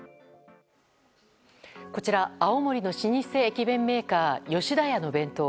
こちら青森の老舗駅弁メーカー吉田屋の弁当。